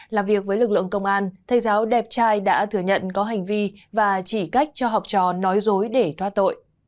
làm việc với lực lượng công an thầy giáo đẹp trai đã thừa nhận có hành vi và chỉ cách cho học trò nói dối để thoát tội